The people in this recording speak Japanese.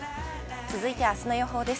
続いてあすの予報です。